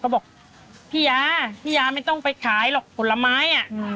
ก็บอกพี่ยาพี่ยาไม่ต้องไปขายหรอกผลไม้อ่ะ